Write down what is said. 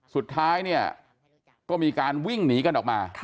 สุดท้ายเนี่ยก็มีการวิ่งหนีกันออกมา